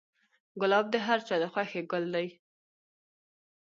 ګلاب د هر چا د خوښې ګل دی.